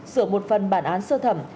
sửa một phần bản án sơ thẩm